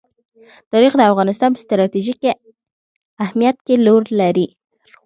تاریخ د افغانستان په ستراتیژیک اهمیت کې رول لري.